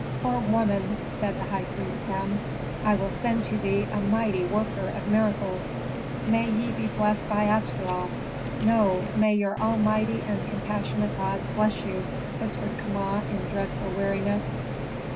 "Poor woman," said the high priest Sem, "I will send to thee a mighty worker of miracles; he may " "May ye be blessed by Astaroth! No, may your almighty and compassionate gods bless you," whispered Kama, in dreadful weariness.